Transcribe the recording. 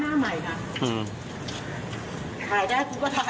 ขายได้จูก็ขายได้